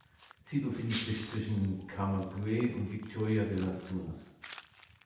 Sie befindet sich zwischen Camagüey und Victoria de Las Tunas.